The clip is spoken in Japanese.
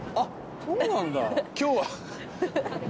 そうなんだ。